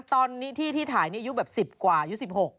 ตอนนี้ที่ที่ถ่ายนี่อายุแบบ๑๐กว่าอายุ๑๖